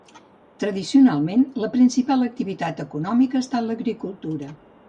Tradicionalment, la principal activitat econòmica ha estat l'agricultura.